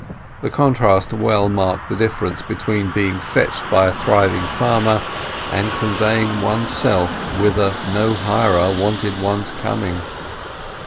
The contrast well marked the difference between being fetched by a thriving farmer and conveying oneself whither no hirer waited one's coming.